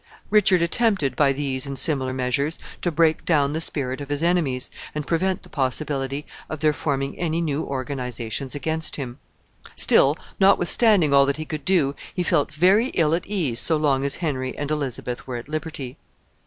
Richard attempted, by these and similar measures, to break down the spirit of his enemies, and prevent the possibility of their forming any new organizations against him. Still, notwithstanding all that he could do, he felt very ill at ease so long as Henry and Elizabeth were at liberty.